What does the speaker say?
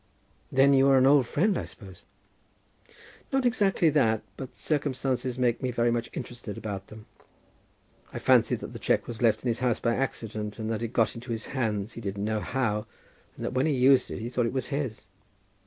"Then you are an old friend, I suppose?" "Not exactly that; but circumstances make me very much interested about them. I fancy that the cheque was left in his house by accident, and that it got into his hands he didn't know how, and that when he used it he thought it was his."